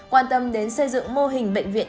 quan tâm đến xây dựng mô hình bệnh viện